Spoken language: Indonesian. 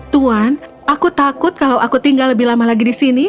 tuan aku takut kalau aku tinggal lebih lama lagi di sini